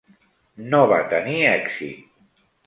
No va tenir èxit.